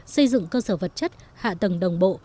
xây dựng cơ sở vật chất hạ tầng đồng bộ